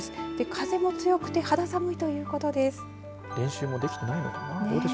風も強くて肌寒いということです。